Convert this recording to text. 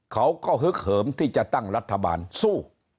ฮึกเหิมที่จะตั้งรัฐบาลสู้